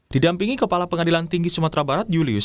didampingi kepala pengadilan tinggi sumatera barat julius